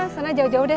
sana jauh jauh deh